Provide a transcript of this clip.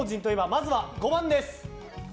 まずは５番です。